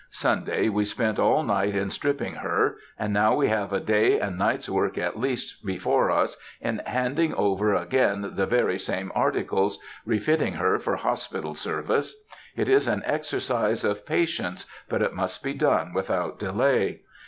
Sunday, we spent all night in stripping her, and now we have a day and night's work at least before us in handling over again the very same articles, refitting her for hospital service. It is an exercise of patience, but it must be done without delay.